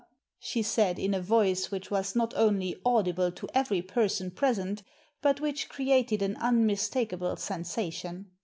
* she said, in a voice which was not only audible to every person present, but which created an unmistakable sensation.